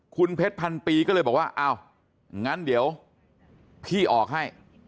คุณเพชรพันปีก็เลยบอกว่าอ้าวงั้นเดี๋ยวพี่ออกให้